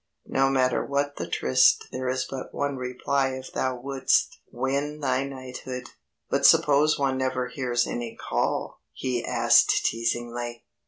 No matter what the tryst there is but one reply if thou wouldst win thy knighthood!_'" "But suppose one never hears any call," he asked teasingly.